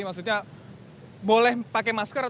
maksudnya boleh pakai masker